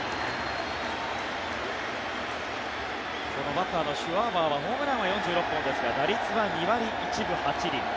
バッターのシュワバーはホームランは４６本ですが打率は２割１分８厘。